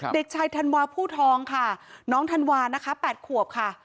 เด็กชายธันวาผู้ทองค่ะน้องธันวานะคะ๘ขวบค่ะ